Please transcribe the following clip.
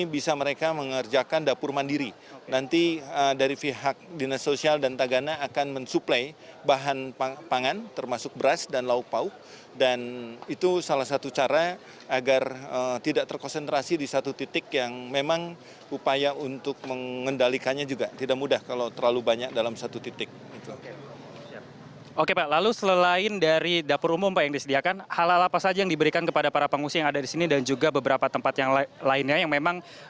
bersama saya ratu nabila